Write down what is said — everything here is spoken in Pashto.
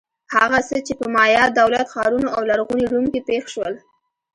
هغه څه چې په مایا دولت-ښارونو او لرغوني روم کې پېښ شول.